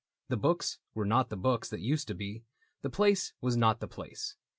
The books were not the books that used to be, The place was not the place.